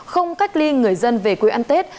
không cách ly người dân về quê ăn tết